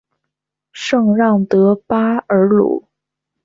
圣让德巴尔鲁。